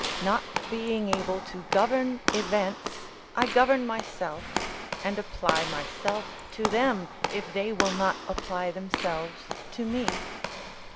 Not being able to govern events, I govern myself, and apply myself to them, if they will not apply themselves to me.